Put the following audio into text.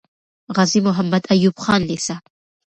غازي محمد ايوب خان لیسه